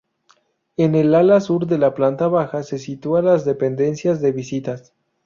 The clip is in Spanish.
En el ala sur de la planta baja se sitúa las dependencias de visitas.